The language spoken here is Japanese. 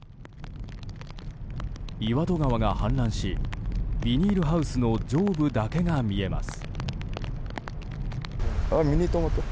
岩戸川が氾濫しビニールハウスの上部だけが見えます。